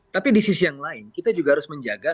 tapi di sisi yang lain kita juga harus menjaga